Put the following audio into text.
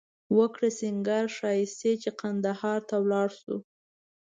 وکړه سینگار ښایښتې چې قندهار ته ولاړ شو